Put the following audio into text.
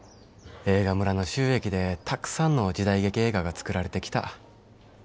映画村の収益でたくさんの時代劇映画がつくられてきた。